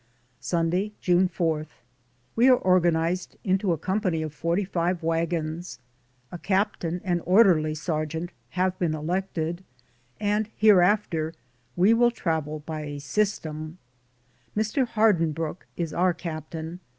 Sunday, June 4. We are organized irito a company of forty five wagons, a captain and orderly sergeant have been elected, and hereafter we will DAYS ON THE ROAD. 75 travel by system. Mr. Hardinbrooke is our captain.